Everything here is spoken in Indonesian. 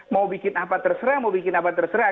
mau bikin apa terserah mau bikin apa terserah